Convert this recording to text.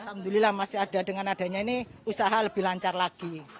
alhamdulillah masih ada dengan adanya ini usaha lebih lancar lagi